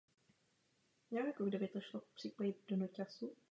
V její severozápadní části se nachází národní přírodní památka Červený kopec.